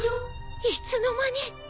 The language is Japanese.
いつの間に。